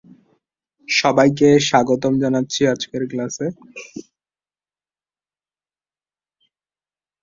তার বড় ভাই জানুয়ারি মাসে জন্মগ্রহণ করে।